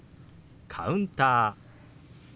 「カウンター」。